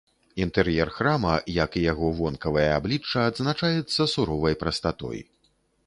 Інтэр'ер храма, як і яго вонкавае аблічча, адзначаецца суровай прастатой.